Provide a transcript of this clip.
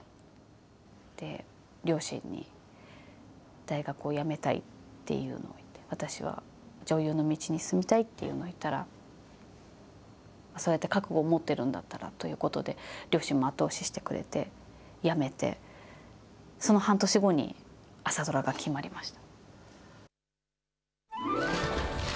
で、両親に大学を辞めたいっていうのを、私は女優の道に進みたいっていうのを言ったら、そうやって覚悟を持っているんだったらということで、両親も後押ししてくれて辞めて、その半年後に朝ドラが決まりました。